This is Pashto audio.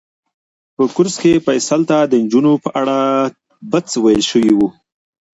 په کورس کې فیصل ته د نجونو په اړه بد څه ویل شوي وو.